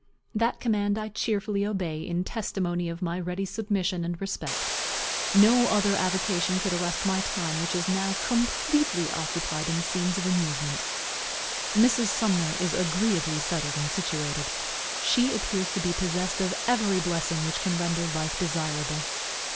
That command I cheerfully obey, in testimony of my ready submission and respect. No other avocation could arrest my time, which is now completely occupied in scenes of amusement. Mrs. Sumner is agreeably settled and situated. She appears to be possessed of every blessing which can render life desirable.